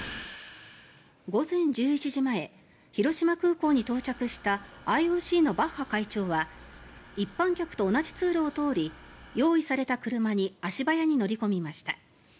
午前１１時前広島空港に到着したＩＯＣのバッハ会長は一般客と同じ通路を通り用意された車に足早に乗り込みました。